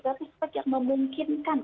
tapi spek yang memungkinkan